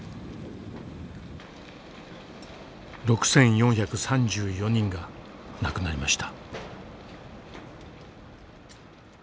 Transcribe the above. ６，４３４人が亡くなりました。